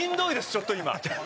ちょっと今。